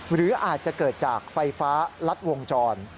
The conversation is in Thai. หรืออาจจะเกิดจากไฟฟ้ารัดวงจร